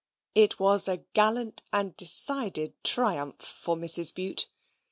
It was a gallant and decided triumph for Mrs. Bute.